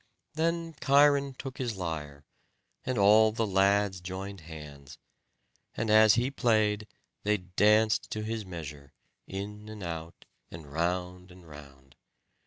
Then Cheiron took his lyre, and all the lads joined hands; and as he played, they danced to his measure, in and out, and round and round.